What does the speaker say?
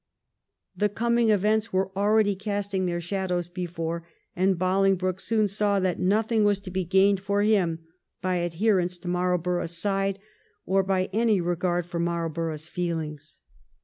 The coming events were already casting their shadows before, and Bolingbroke soon saw that nothing was to be gained for him by adherence to Marlborough's side or by any regard for Marlborough's feelings.